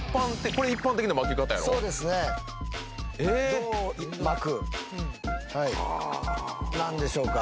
どう巻く？何でしょうか？